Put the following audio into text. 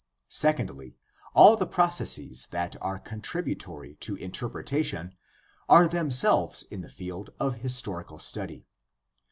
Secondly, all the processes that are contributory to interpretation are themselves in the field of historical study.